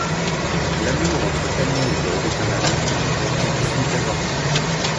L'amour entre Tania et Bob est un amour que l'on pourrait qualifier d'avorté.